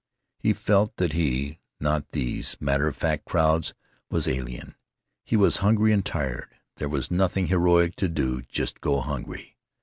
He felt that he, not these matter of fact crowds, was alien. He was hungry and tired. There was nothing heroic to do—just go hungry.